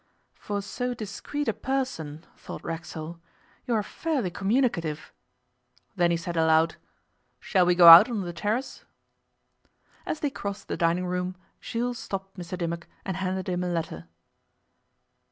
'For so discreet a person,' thought Racksole, 'you are fairly communicative.' Then he said aloud: 'Shall we go out on the terrace?' As they crossed the dining room Jules stopped Mr Dimmock and handed him a letter.